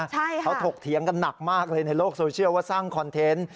เขาถกเถียงกันหนักมากเลยในโลกโซเชียลว่าสร้างคอนเทนต์